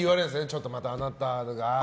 ちょっとまた、あなたって。